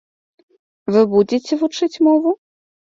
Вы будзеце вучыць мову?